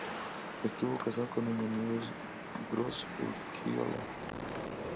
Estuvo casado con doña Nieves Gros Urquiola.